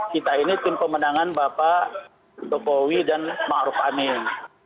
kita ini tim pemenangan bapak dokowi dan ma'ruf amin